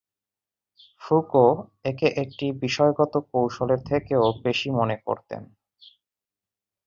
Foucault একে একটি বিষয়গত কৌশলের থেকেও বেশি মনে করতেন।